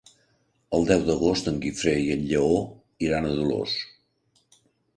El deu d'agost en Guifré i en Lleó iran a Dolors.